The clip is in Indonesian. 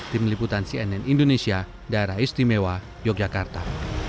tim liputan cnn indonesia daerah istimewa yogyakarta